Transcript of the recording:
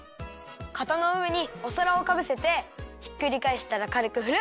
かたのうえにおさらをかぶせてひっくりかえしたらかるくふる！